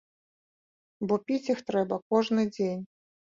Бо піць іх трэба кожны дзень.